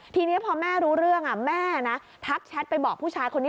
ทีนี้พอแม่รู้เรื่องแม่นะทักแชทไปบอกผู้ชายคนนี้